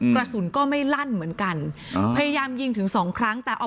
กระสุนก็ไม่ลั่นเหมือนกันพยายามยิงถึงสองครั้งแต่เอา